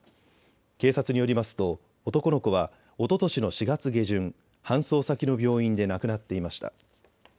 警察によりますと男の子はおととしの４月下旬搬送先の病院で亡くなっていました。